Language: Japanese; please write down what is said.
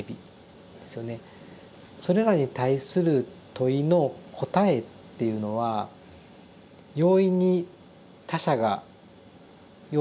それらに対する問いの答えっていうのは容易に他者が用意できるものではない。